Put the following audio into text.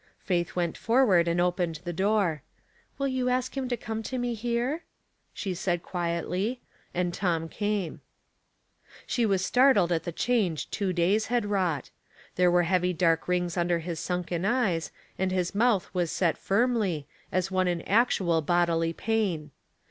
Faith went forward and opened the door. *' Will you ask him to come to me here ?" Bhe said, quietly ; and Tom came. God's Mystery of Grace. 329 She was startled at the chanL,^e two days had wrought. There were heavy dark rings under his sunken eyes, and his mouth was set firmly, as one in actual bodily pain.